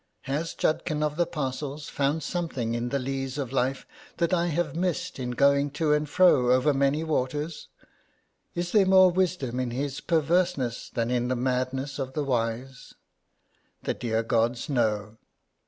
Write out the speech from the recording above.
Has Judkin of the Parcels found something in the lees of life that I have missed in going to and fro over many waters ? Is there more wisdom in his perverseness than in the madness of the wise ? The dear gods know.